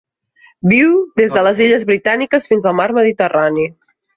Viu des de les Illes Britàniques fins al Mar Mediterrani.